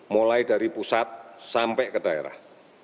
mulai dari pusat sampai ke daerah